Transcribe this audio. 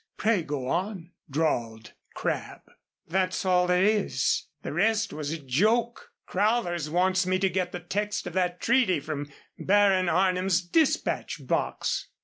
"Pray go on," drawled Crabb. "That's all there is. The rest was a joke. Crowthers wants me to get the text of that treaty from Baron Arnim's dispatch box."